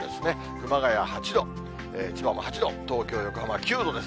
熊谷８度、千葉も８度、東京、横浜９度です。